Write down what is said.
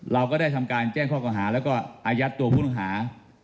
เราก็ได้ทำการแจ้งข้อเก่าหาแล้วก็อายัดตัวผู้ต้องหา